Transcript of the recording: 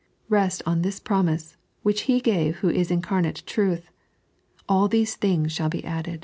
Kest on this promise, which He gave who is incarnate truth :" All these things shall be added."